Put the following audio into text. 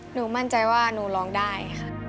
หนูมั่นใจว่าหนูร้องได้ค่ะ